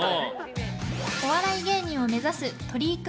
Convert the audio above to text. お笑い芸人を目指す鳥井君。